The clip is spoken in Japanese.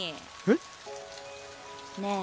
えっ！？ねえ。